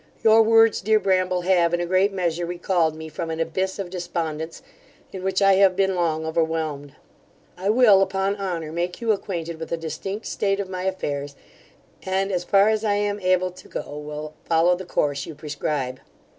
Your words, dear Bramble, have in a great measure recalled me from an abyss of despondence, in which I have been long overwhelmed. I will, upon honour, make you acquainted with a distinct state of my affairs, and, as far as I am able to go, will follow the course you prescribe.